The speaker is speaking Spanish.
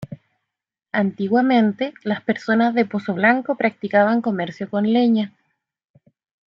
Antiguamente, las personas de Pozoblanco practicaban comercio con leña.